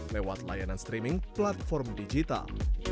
lewat layanan streaming platform digital